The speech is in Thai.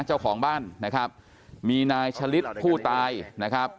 เจ้าของบ้านนะครับมีนายชะลิดผู้ตายนะครับ